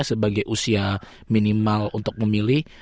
sebagai usia minimal untuk memilih